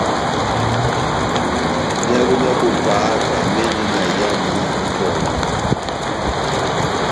Myálo mya bo pahaka mendi na iyambi ibɔbu.